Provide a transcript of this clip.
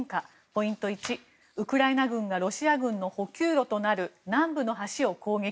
ポイント１、ウクライナ軍がロシア軍の補給路となる南部の橋を攻撃。